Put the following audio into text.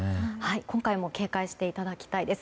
今回も警戒していただきたいです。